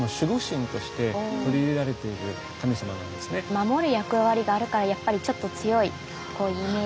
守る役割があるからやっぱりちょっと強いイメージ。